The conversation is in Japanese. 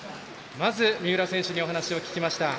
まず三浦選手にお話を聞きました。